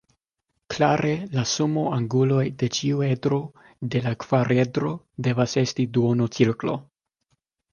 Klare la sumo anguloj de ĉiu edro de la kvaredro devas esti duono-cirklo.